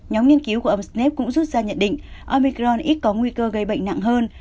nhóm nghiên cứu của ông snap cũng rút ra nhận định omicron ít có nguy cơ gây bệnh nặng hơn